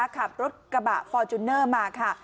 ขับรถกระบะฟอร์จูเนอร์มาค่ะ